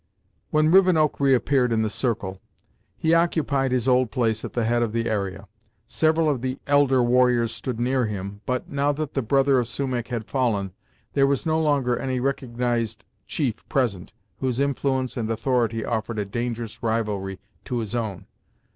When Rivenoak re appeared in the circle, he occupied his old place at the head of the area. Several of the elder warriors stood near him, but, now that the brother of Sumach had fallen, there was no longer any recognised chief present whose influence and authority offered a dangerous rivalry to his own.